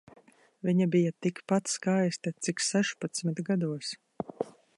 Viņa bija tikpat skaista cik sešpadsmit gados.